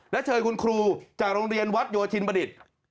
และเชิญคุณครูจากโรงเรียนวัดโยธินบดิษฐ์